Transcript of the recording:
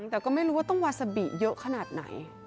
แต่ก็ไม่รู้ว่าต้องวาซาบิเยอะขนาดไหน